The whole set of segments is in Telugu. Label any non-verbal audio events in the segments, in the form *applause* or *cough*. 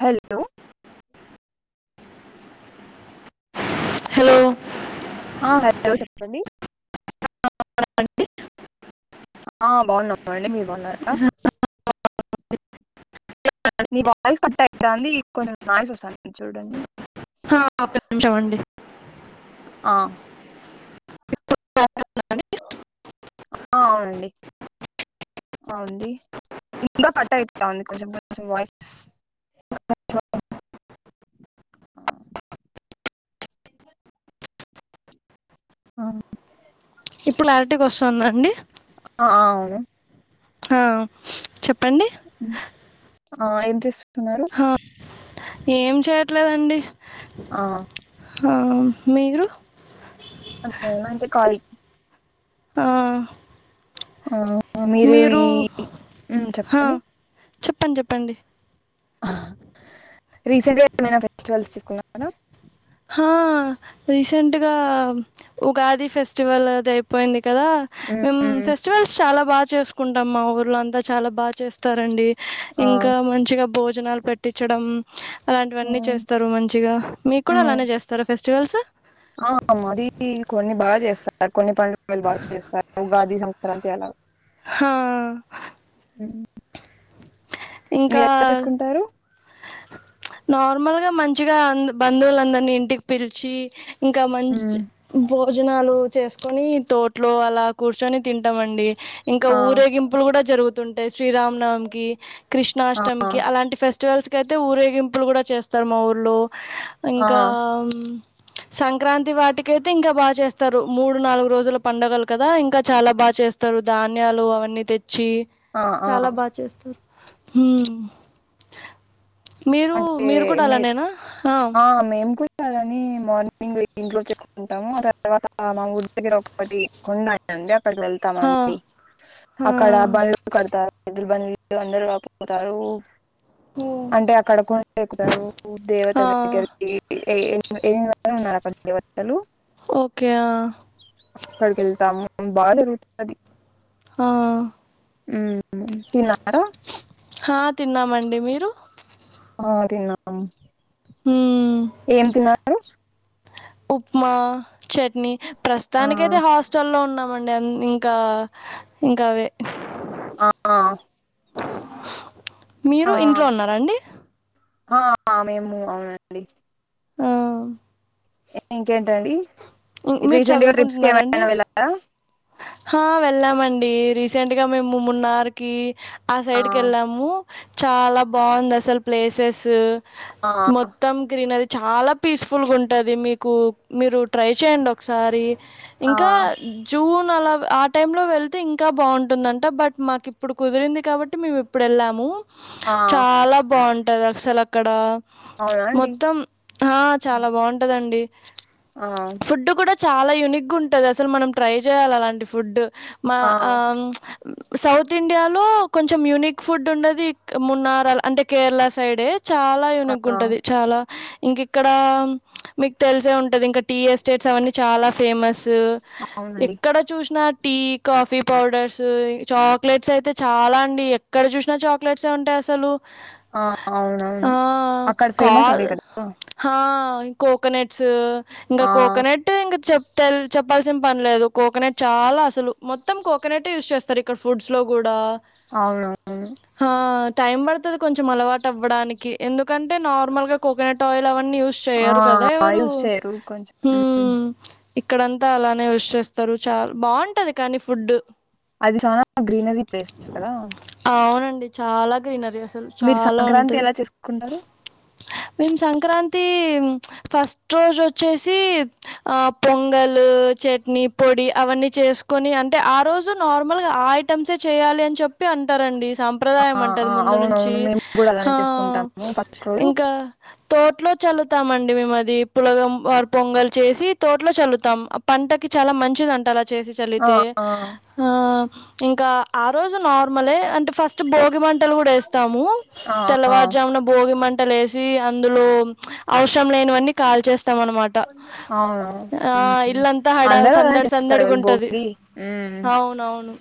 హలో హలో ఆ హలో చెప్పండి ఆ బాగున్నా అండి మీరు బాగున్నారా నీ వాయిస్ కట్ అయి అంది కొంచెం నాయిస్ వస్తుాంది చూడండి హ చవండి ఆ! ఆ అండి అ వుంది ఇంకా కట్ అయిత ఉంది కొంచెం కొంచం వాయిస్ ఆ! ఆ ఇప్పుడు క్లారిటీగా వస్తుందండి ఆ అవును ఆ చెప్పండి ఆ ఏం చేస్తున్నారు ఆ, ఏం చేయట్లేదండి ఆ ఆ మీరు మేమంటే కాళీ ఆ ఆ మీరు ఈ ఉం ఆ, చెప్పండి చెప్పండి చెప్పండి రీసెంట్గా ఏమైనా ఫెస్టివల్స్ చేసుకున్నారా హా రీసెంట్ గా ఉగాది ఫెస్టివల్ అది అయిపోయింది కదా హ్మ్. మేము హ్మ్. ఫెస్టివల్స్ చాలా బాగా చేసుకుంటాం మా ఊర్ళ అంతా చాలా బాగా చేస్తారండి ఆ! ఇంకా మంచిగా భోజనాలు పెట్టించడం అలాంటివన్నీ హ్మ్. చేస్తారు మంచిగా మీకు కూడా హ్మ్. అలానే చేస్తారా ఫెస్టివల్స్ ఆ మరి కొన్ని బాగా చేస్తారు కొన్ని పండుగలు బాగా చేస్తారు ఉగాది క్రాంతి అల హా సరే *inaudible* ఇంకా మీరు ఎలా చేసుకుంటారు నార్మల్గా మంచిగా బంధువులందరినీ ఇంటికి పిలిచి ఇంకా మంచి హ్మ్. భోజనాలు చేసుకొని తోట్లో అలా కూర్చొని తింటామ అండి ఇంకా ఆ! ఊరేగింపులు కూడా జరుగుతుంటాయి శ్రీరామనవమికి ఆ! కృష్ణాష్టమికి అలాంటి ఫెస్టివల్స్కి అయితే ఊరేగింపులు కూడా చేస్తారు మా ఊర్లో ఆ! ఇంకా సంక్రాంతి వాటికయితే ఇంకా బాగా చేస్తారు మూడు నాలుగు రోజుల పండుగలు కదా ఇంకా చాలా బాగా చేస్త చేస్తారు ధాన్యాలు అవన్నీ తె చ్చి ఆ! ఆ! చాలా బాగా చేస్తారు హమ్ మీరు అంటే మీరు కూడా అలానేేనా ఆ సదని మార్నింగ్ ఇంట్లో ఎక్కుంటాము ఆ తర్వాత మా ఊరి దగ్గర ఒకటి కొండ *unintelligible* ండి అక్కడికి వెళ్తామ ఆ అండి ఆ అక్కడ బళూ కడతారు ఇద్ద బ *unintelligible* అందరుూ కాకపోతారు అంటే *unintelligible* క్కడ కొ ఎకుతారు ఆ దేవతల దగ్గరకి ఏ ఉన్నారు అక్కడ దేవత *unintelligible* లు ఓకే ఆ అక్కడికి వెళ్తాము బాగా జరుగుతుది ఆ ఉం తిన్నారా ఆ తిన్నామండి మీరు హా తిన్నాం ఉం ఏం తిన్నారు ఉప్మా చట్నీ ఆ ప్రస్తుతానికి అయితే హాస్టల్ల్లో ఉన్నామండి ఇంకా ఇంకా అవే ఆ మీరు ఆ ఇంట్లో ఉన్నారాండి ఆ మేము అవునండి ఆ ఇంకేంటండి ఇ రీసెంట్ గా ట్రిప్స్కి ఏమైనా వెళ్ళారా ఆ వెళ్ళామండి రీసెంట్ గా మేము మూడున్నరకి ఆ సైడ్కి వెళ్ళాము చాలా బాగుంది అసలు ప్లేసెస్ ఆ మొత్తం గ్రీనరీ చాలా పీస్ ఫుల్ గా ఉంటది మీకు మీరు ట్రై చేయండి ఒకసారి ఆ ఇంకా జూన్ అలా ఆ టైం లో వెళ్తే ఇంకా బాగుంటుందంట బట్ మాకిప్పుడు కుదిరింది కాబట్టి మేము ఇప్పుడు వెళ్ళాము ఆ చాలా బాగుంటది అసలు అక్కడ ప్చ్ అవునా అండి మొత్తం ఆ చాలా బాగుంటదండి ఆ ఫుడ్ కూడా చాలా యూనిక్ గా ఉంటది అసలు మనం ట్రై చేయాలి అలాంటి ఫుడ్ ఆ సౌత్ ఇండియాలో కొంచెం యునిక్ గా ఫుడ్ ఉంటది మున్నార అంటే కేరళ సైడే చాలా యూనిక్ ఆ ఉంటది చాలా ఇంక ఇక్కడ మీకు తెలిసే ఉంటది ఇంకా టీ ఎస్టేట్స్ అవన్నీ చాలా ఫేమస్ అవునండి ఎక్కడ చూసిన టీ కాఫీ పౌడర్స్ చాక్లెట్స్ అయితే చాలా అండి ఎక్కడ చూసినా చాక్లెట్స్ ఏ ఉంటాయి అసలు ఆ ఆ అవునవును అక్కడ ఫేమస్ కాల్ అవే కదా హా కోకోనెట్స్ ఇంకా ఆ కోకోనెట్ ఇంకా చెప్తరు చెప్పల్సిన పనిలేదు కోకోనెట్ చాలా అసలు మొత్తం కోకోనెట్ఎ యూజ్ చేస్తారు ఇక్కడ ఫుడ్స్ లో కూడా అవును కొత్తది కొంచెం అలవాటు అవ్వడానికి ఎందుకంటే నార్మల్ గా కోకోనట్ ఆయిల్ అవన్నీ యూస్ ఆ చేయరు కదా ఎవరు చేయరు హ్మ్ ఇక్కడంతా అలానే యూస్ చేస్తారు చాల బాగుంటది కానీ ఫుడ్ అది చానా గ్రీనరీ ప్లేస్ కదా అవునండి చాలా గ్రీనరీ అసలు మీరు చాలా సంక్రాంతి ఉంటది ఎలా చేసుకుంటారు? మేము సంక్రాంతి ఫస్ట్ రోజు వచ్చేసి పొంగలు చట్నీ పొడి అవన్నీ చేసుకొని అంటే ఆ రోజు నార్మల్ గా ఆ ఐటమ్స్సే చేయాలి అని చెప్పి అంటారండి సాంప్రదాయం ఆ! ఆ! అంటరు ముందు నుంచి అవునవును. మేము గూడా ఆ అలానే చేసుకుంటాము ఫస్ట్ రోజు ఇంకా తోటలో చల్లుతాము అండి మేము అది పొంగల్ చేసి తోటలో చల్తాం పంటకి చాలా మంచిది అంట అలా చేసి ఆ! చల్లితే ఆ! హా ఇంకా ఆ రోజు నార్మలే అంటే ఫస్ట్ భోగిమంట లు కూడా వేస్తాము ఆ! ఆ! తెల్లవారుజామున భోగి మంటలు వేసి అందులో ప్చ్ అవసరం లేనివన్ని కాల్చేస్తారు అన్నమాట అవును. ఆ హ్మ్. హడావిడి అందరూ అలానే సందడి చేస్తారు సందడడి గా కదా! ఉంటది భోగి. హ్మ్. అవునవును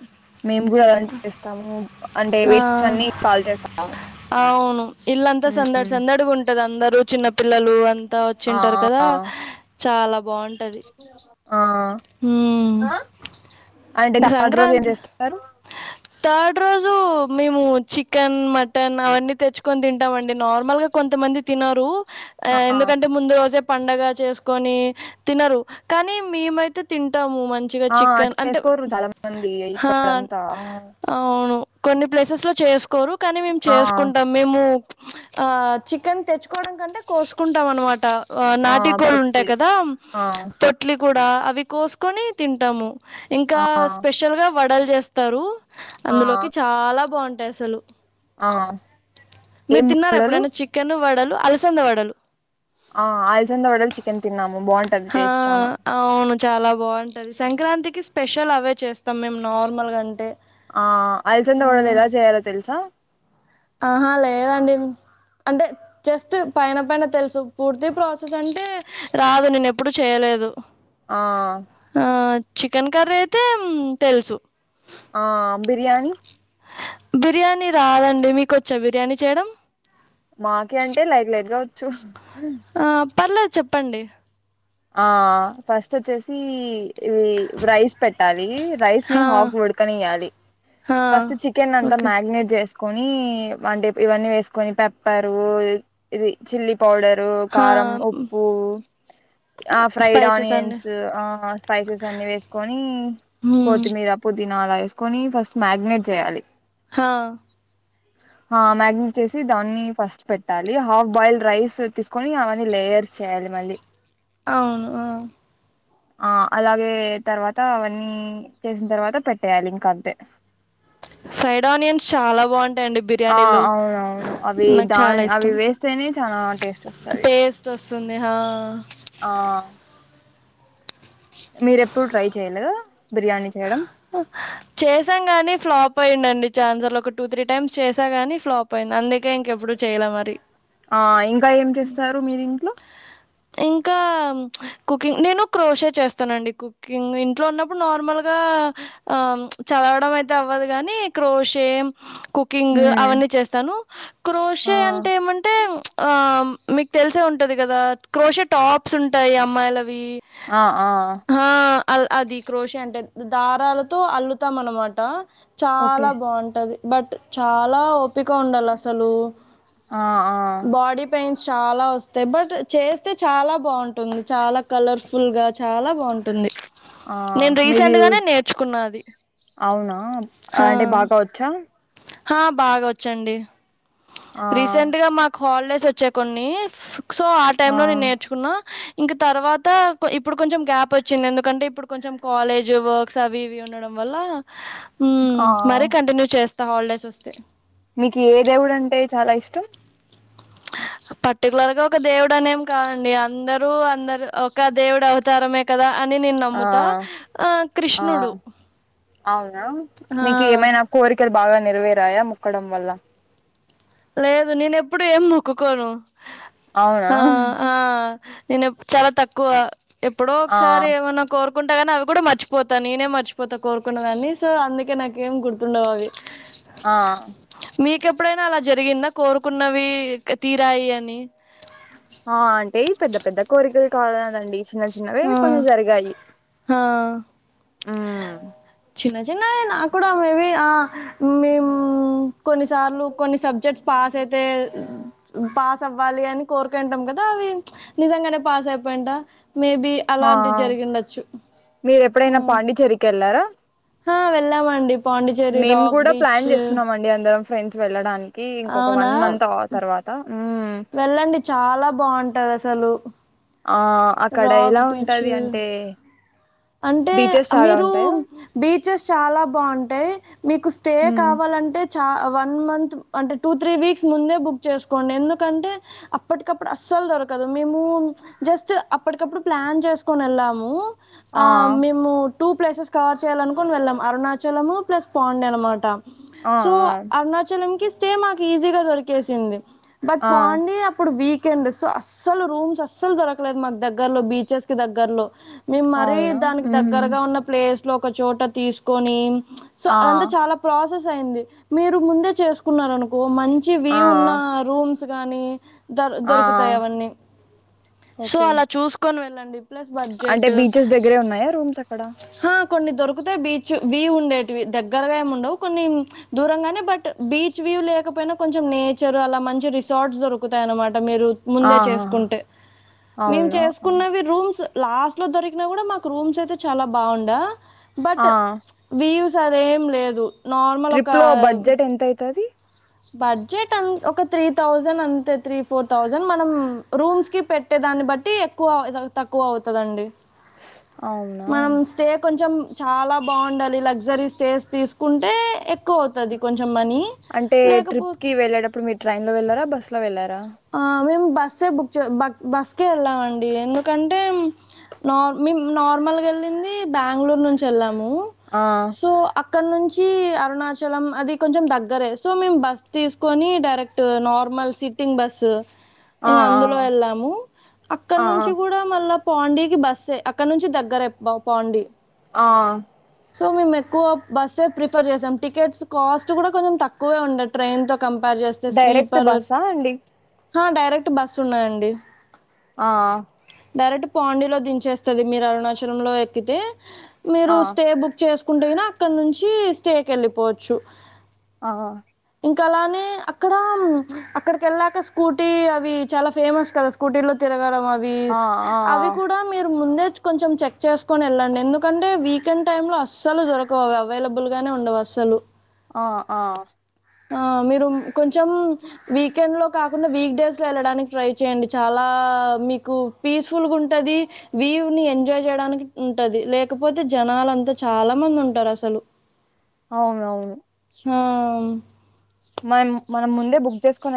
మేము కూడా అలాంటివి చేస్తాము అంటే ఆ! వేస్ట్వి అన్ని కాల్చేస్తాము అవును ఇల్లంతా సందడి హ్మ్. సందడి గా ఉంటది అందరు చిన్న పిల్లలు అంతా ఆ! వచ్చింటారు ఆ! కదా చాలా బాగుంటది ఆ ఆ అంటే ఇంక థర్డ్ రోజు ఏం సంక్రాంతి చేస్తుంటారు థర్డ్ రోజు మేము చికెన్ మటన్ అవన్నీ తెచ్చుకొని తింటామండి నార్మల్ గా కొంతమంది తినరు ఆ ఎందుకంటే ముందు రోజే పండగ చేసుకొని తినరు కానీ మేమైతే తింటాము మంచిగా ఆ! చికెన్ అంటే చేసుకోరు చాలా మంది హా ఇక్కడంతా. అవును కొన్ని ప్లేసెస్ లో చేసుకోరు కానీ మేము ఆ! చేసుకుంటాం ఆ చికెన్ తెచ్చుకోవడం కంటే కోసుకుంటాం అన్నమాట ఆ! నాటుకోళ్ళు ఉంటాయి పొట్లి. కదా ఆ నాటు కోళ్లు కోసుకొని తింటాము ఇంకా ఆ! స్పెషల్ గా వడలు చేస్తారు ఆ! అందులోకి చాలా బాగుంటుంది అసలు ఆ! మీరు ఏం తిన్నారా వడలు ఎప్పుడైన చికెన్ వడలు అలసంందవాడలు ఆ అలసంందవాడలు ఒడలు చికెన్ తిన్నాం ఆ అవును చాలా బాగుంటది సంక్రాంతికి స్పెషల్ అవే చేస్తాం మేము నార్మల్గా అంటే ఆ అలసందవాడలు ఆ! ఎలా చేయాలో తెలుసా ఆహా లేదండి అంటే జస్ట్ పైన పైన తెలుసు పూర్తి ప్రాసెస్ అంటే రాదు నేను ఎప్పుడుూ చేయలేదు ఆ ఆ చికెన్ కర్రీ అయితే తెలుసు ఆ బిర్యానీ బిర్యానీ రాదండి మీక వచ్చా బిర్యానీ చేయడం మాకే అంటే లైట్ లైట్ వచ్చు ఆ పర్లేదు చెప్పండి ఆ ఫస్ట్ వచ్చేసి ఇవి రైస్ పెట్టాలి రైస్ ని హా హాఫ్ ఉడకనియ్యాలి హా ఫస్ట్ చికెన్ అంతా ఓకే మ్యాగ్నేట్ చే కొని అంటే ఇవన్నీ వేసుకని పెప్పర్ ఇది చిల్లీ పౌఢరు హా కారం మ్, ఉప్పు ఆ ఫ్రైడ్ స్పైసెస్ అండి ఆనియన్స్ ఆ స్పైసెస్ అన్ని వేసుకొని హ్మ్ కొత్తిమీర పుదీనా అలా వేసుకొని ఫస్ట్ మ్యాగినేట్ చేయాలి హా *inaudible* ఆ మ్యాగ్నెట్ చేసి దాన్ని ఫస్ట్ పెట్టాలి హాఫ్ బాయిల్డ్ రైస్ తీసుకొని అవన్నీ లేయర్స్ చేయాలి మళ్ళీ మళ్ళీ అవును ఆ ఆ అలాగే తర్వాత అవన్నీ చేసిన తర్వాత పెట్టేయాలి ఇంకా అంతే ఫ్రైడ్ ఆనియన్స్ చాలా బాగుం ఉంటాయి ఆ బిర్యానీ లో అవునవును అవి నాకు చాలా దాని అవి ఇష్టం వేస్తేనే చాలా టేస్ట్ వస్తది టేస్ట్ స్తునే హా ఆ మీర ఎప్పుడు ట్రై చెయ్యలే చేసాం గానీ ఫ్లాప్ అయిండండి చానా సార్లు ఒక టూ త్రీ టైమ్స్ చేసా గాని ఫ్లాప్ అయింది అందుకే ఇంకెప్పుడు చేయలే మరి ఆ ఇంకా ఏం చేస్తారు మీరు ఇంట్లో ఇంకా కుకింగ్ నేను క్రోష చేస్తానండి కుకింగ్ ఇంట్లో ఉన్నప్పుడు నార్మల్గా ఆ చదవడం అయితే అవ్వదు గాని క్రోషేమ్ కుకింగ్ హ్మ్ అవన్నీ చేస్తాను ఆ క్రోషే అంటే ఏమంటే ఆ మీకు తెలిసే ఉంటది కదా క్రోష టాప్స్ ఉంటాయి అమ్మాయిలకు ఆ ఆ అల్ అది క్రోషి అంటే దారాలతో అల్లుతాం అన్నమాట ఓకే చాలా బాగుంటది బట్ చాలా ఉండాలి అసలు ఆ ఆ బాడీ పెయిన్స్ చాలా వస్తాయి బట్ చే అయితే చాలా బాగుంటుంది చాలా కలర్ఫుల్ గా చాలా బాగుంటుంది ఆ నేను మీది రీసెంట్ గానే నేర్చుకున్నా అది అవునా అంటే బాగా వచ్చా ఆ బాగా వచ్చండి. ఆ రీసెంట్ గా మాకు హాలిడేస్ వచ్చే కొన్ని సో ఆ టైంలో నేను నేర్చుకున్న ఇంక తర్వాత ఇప్పుడు కొంచెం గ్యాప్ వచ్చింది ఎందుకంటే ఇప్పుడు కొంచెం కాలేజ్ వర్క్స్ అవి ఇవి ఉ వల్ల ఆ మరీ కంటిన్యూ చేస్తా హాలిడేస్ వస్తే మీకు ఏ దేవుడుంటే చాలా ఇష్టం పర్టికులర్ గా ఒక దేవుడు అనేం కాదండి అందరూ అందరు ఒక దేవుడు అవతారమే కదా అని నేను ఆ నమ్ముతా ఆ ఆ కృష్ణుడు అవునా ఆ! మీకు ఏమైనా కోరికలు బాగ నెరవేరాయా మొక్కడం వల్ల లేదు నేను ఎప్పుడు ఏం మొక్కుకోను అవునా హ ఆ నేను ఎప్ చాలా తక్కువ ఎప్పుడో ఆ ఒకసారి ఏమన్నా కోరుకు కుంటాగానీ అవి కూడ మర్చిపోతాను నేనే మర్చిపోతా కోరుకున్న దాన్ని సో అందుకే నాకే ఏం గుర్తుండవు అవి ఆ మీకెప్పుడైనా అలా జరిగిందా కోరుకున్నవి తీరాయి అని ఆ అంటే పెద్ద పెద్ద కోరికలు కాదు కదండి హా ఆ ఉమ్ చిన్న చిన్నవి నాక్కూడా మేబి ఆ మేమ్ కొన్నిసార్లు కొన్ని సబ్జెక్ట్ పాస్ అయితే పాస్ అవ్వాలి అని కోరుకుంటాం కదా అవి నిజంగానే పాస్ అయి పోయిండ మేబి ఆ అలాంటి జరిగిండొచ్చు మీరు ఎప్పుడైనా పాండిచ్చేరికి హా వెళ్లామండి మేమ్ కూడ ప్లాన్ చేస్తున్నామండి అందరం ఫ్రెండ్స్ వెళ్ళడానికి ఇంకొక అవునా! వన్ మంత్ ఆ తర్వాత ఉమ్ వెళ్ళండి చాలా బావుంటదసలు. ఆ అక్కడ రాక్ ఎలా బీచ్ ఉంటది అంటే అంటే బీచెస్ చాలా మీరు ఉంటాయా బీచెస్ చాల బాగుంటాయి మీకు స్టే ఉమ్ కావాలంటే చ వ వన్ మంత్ అంటే టూ త్రీ వీక్స్ ముందే బుక్ చేసుకోండి ఎందుకంటే అప్పటికప్పుడు అస్సలు దొరకదు మేము జస్ట్ అప్పటికప్పుడు ప్లాన్ చేసుకని వెళ్ళాము ఆ మేము టూ ప్లేసెస్ కవర్ చేయాలనుకుని వెళ్ళాం అరుణాచలము ప్లస్ పాండే అనమాట ఆ సో ఆ అరుణాచలం కి స్టే మాకు ఈజీగా దొరికేసింది బట్ పాండి అప్పుడు వీక్ కెండ సో అస్సలు రూమ్స్ అస్సలు దొరకలేదు మా క్ దగ్గరలో బీచెస్ కి దగ్గర్లో ఆ మరి అవునా దానిక ఉమ్ దగ్గర ఉన్న ప్లేస్ లో ఒక చోట తీసుకని సో ఆ అదంతా చాల ప్రాసెస్ స్. అయింది మీరు ముందే చేసుకున్నారనుకో మంచి వ్వు ఆ ఆ ఉన్న రూమ్స్ గానీ ద ఆ దొరుకుతాయి అవన్నీ సో ఓకే అల చూసుకొని వెళ్ళండి ప్లస్ అంటే బడ్జెట్ బీచెస్ దగ్గరే ఉన్నాయా రూమ్స్ అక్కడ హా కొన్ని దొరుకుతేయ్ బీచ్ బీ ఉండేవి దగ్గరగా ఏమ్ ఉండవు కొన్ని దూరంగా నె బట్ బీచ్ వ్యూ లేకపోయినా కొంచెం నేర్ చర్ అలా మంచి రిసార్ట్స్ దొరుకుతాయనమాట అట్ట మీరు ముందే ఆహా చేసుకుంటె మేమ్ అవునా చేసుకున్నవి. రూమ్స్ లాస్ట్లో దొ రికిన కూడ మాకు రూమ్స్ అయితే చాలా బాగుండ బట్ ఆ వ్యూస్ అదేం లేదు నార్మల్ ఒక ట్రిప్ లో బడ్జెట్ ఎంత అయితది బడ్జెట్ అంత ఒక త్రీ థౌసండ్ అంతే త్రీ ఫోర్ థౌసండ్ మనం రూమ్స్ కి పెట్టేదాన్ని బట్టి ఎక్కువ తక్కువ అవుతదండి అవున కొంచెం చాలా బాగుండాలి లగ్జరీ స్టేస్ తీసుకుంటే ఎక్కువ అవుతుంది కొంచెం మనీ అంటే లేకపోతే ట్రిప్కిి వెళ్ళేటప్పుడు మీరు ట్రైన్ లో వెళ్లార బస్లో వెళ్ళార ఆ మేము బస్సే బుక్ బస్కే వెళ్ళామండి ఎందుకంటే నార్ మేము నార్మల్గ వెళ్ళింది బ్యాంగ్ళూరు నుంచి వెళ్ళాం మేము ఆ సో అక్కడ నుంచి అరుణాచలం అది కొంచెం దగ్గరే సో మేమ్ బస్ తీసుకొని direct normal sitting bus ఆ ఇంగ ఆ అందులో వెళ్ళాము అక్కడ ఆ నుంచి కూడ మళ్ళ పాండీకిి బస్సె అక్కడ నుంచి దగ్గరె ప పాండీ ఆ సో మేము ఎక్కువ బస్సే ప్రిఫర్ చేసాం టికెట్స్ కాస్ట్ కూడ కొంచెం తక్కువే ఉండి ట్రైన్ త కంపేర్ చేస్తే డైరెక్ట్ స్లీపర్ బస్సా అండి డైరెక్ట్ బస్సు ఉన్నాయండి ఆ డైరెక్ట్ పాండీలో దించేస్తుంది మీరు అరుణాచలంలో ఎక్కితే మీరు ఆ స్టే బుక్ చేసుకు కుంటె నా అక్కడ నుంచి స్టేకి వెళ్ళిపోవచ్చు ఆ ఇంకా అలానే అక్కడ అక్కడికి వెళ్ళాక స్కూటీ అవి చాలా ఫేమస్ కదా స్కూటీ లో తిరగడం ఆ ఆ అవి కూడా మీరు ముందే కొంచెం చెక్ చేసుకొని వెళ్ళండి ఎందుకంటే, వీకెండ్ టైమ్ లో అస్సలు దొరకవు అవైలబుల్గా ఉండవు అస చలు ఆ ఆ ఆ మీరు కొంచెం వీకెండ్ లో కాకుండా వీక్ డేస్ లో వెళ్ళడానికి ట్రై చేయండి చాలా మీకు పీస్ఫుల్గా ఉంటది వ్యూ ఎంజాయ్ చేయడానికి ఉంటది లేకపోతే జనలంతా చాలా మంది ఉంటారు అసలు అవును అవును హ్మ్ మనం మనం ముందే బుక్ చేసుకోని